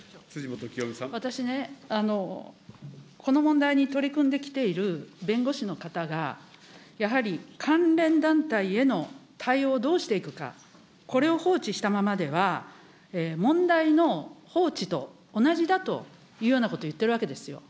私ね、この問題に取り組んできている弁護士の方が、やはり関連団体への対応をどうしていくか、これを放置したままでは、問題の放置と同じだというようなことを言ってるわけですよ。